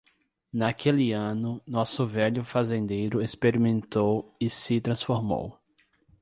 Naquele ano, nosso velho fazendeiro experimentou e se transformou.